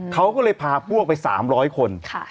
เขาก็เลยพาพวกไป๓๐๐คน